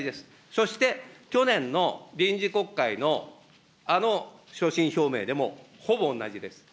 そして、去年の臨時国会の、あの所信表明でもほぼ同じです。